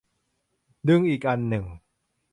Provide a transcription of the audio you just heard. ดึงอีกอันหนึ่ง